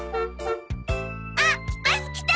あっバス来た！